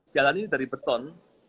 jalan ini dari beton